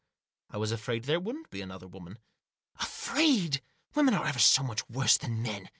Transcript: " I was afraid there wouldn't be another woman." "Afraid! Women are ever so much worse than men.